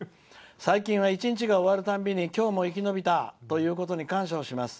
最近は一日が終わるたびに今日も生き延びたことに感謝をします。